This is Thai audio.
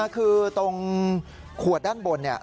คือขวดด้านบนนี้